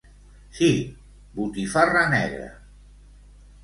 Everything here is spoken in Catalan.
Sí! Botifarra negra.